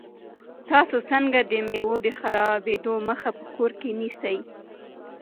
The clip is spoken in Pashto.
تاسو څنګه د مېوو د خرابېدو مخه په کور کې نیسئ؟